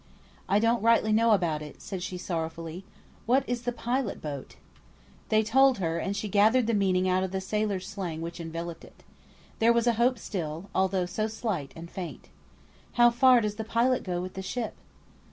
"I don't rightly know about it," said she, sorrowfully. "What is the pilot boat?" They told her, and she gathered the meaning out of the sailors' slang which enveloped it. There was a hope still, although so slight and faint. "How far does the pilot go with the ship?"